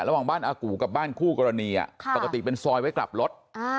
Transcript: ระหว่างบ้านอากูกับบ้านคู่กรณีปกติเป็นซอยไว้กลับรถ